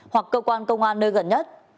hoặc cơ quan công an nơi gần nhất